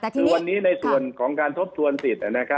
คือวันนี้ในส่วนของการทบทวนสิทธิ์